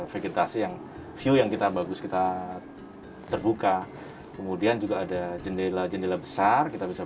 vegetasi yang view yang kita bagus kita terbuka kemudian juga ada jendela jendela besar kita bisa